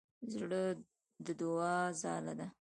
زړه د دوعا ځاله ده.